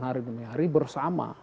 hari demi hari bersama